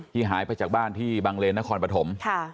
หายไปจากบ้านที่บังเลนนครปฐม